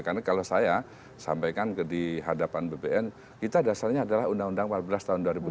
karena kalau saya sampaikan di hadapan bpn kita dasarnya adalah undang undang empat belas tahun dua ribu lima